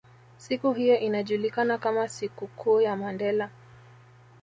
Siku hiyo inajulikana kama siku kuu ya Mandela